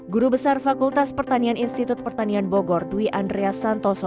guru besar fakultas pertanian institut pertanian bogor dwi andreas santoso